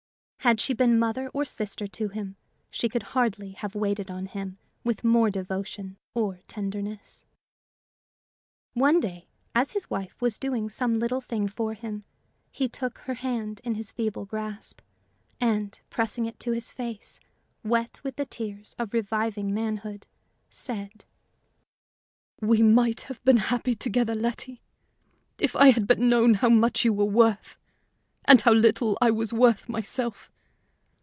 Had she been mother or sister to him, she could hardly have waited on him with more devotion or tenderness. One day, as his wife was doing some little thing for him, he took her hand in his feeble grasp, and pressing it to his face, wet with the tears of reviving manhood, said: "We might have been happy together, Letty, if I had but known how much you were worth, and how little I was worth myself!